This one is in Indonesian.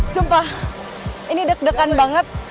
sumpah ini deg degan banget